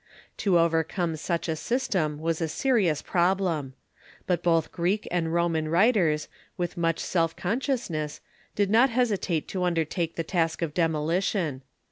To overcome such a system was a serious problem. But both Greek and Roman wi'iters, with much self conscious ness, did not hesitate to undertake the task of demolition.